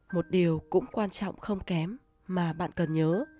một điều cũng quan trọng không kém mà bạn cần nhớ